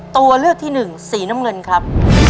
ตัวเลือกที่หนึ่งสีน้ำเงินครับ